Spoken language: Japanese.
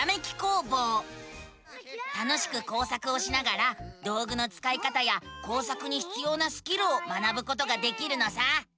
楽しく工作をしながら道ぐのつかい方や工作にひつようなスキルを学ぶことができるのさ！